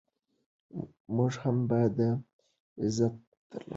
موږ هم باید دا عزت ترلاسه کړو.